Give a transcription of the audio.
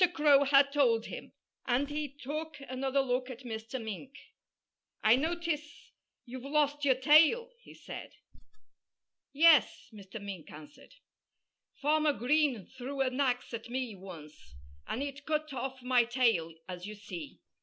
Crow had told him. And he took another look at Mr. Mink. "I notice you've lost your tail," he said. "Yes!" Mr. Mink answered. "Farmer Green threw an axe at me once. And it cut off my tail, as you see.